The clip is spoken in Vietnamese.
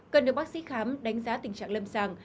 cần được bác sĩ khám đánh giá tình trạng lâm sàng